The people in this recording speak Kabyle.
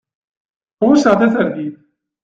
Ɣucceɣ tasertit.